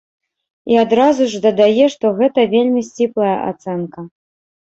І адразу ж дадае, што гэта вельмі сціплая ацэнка.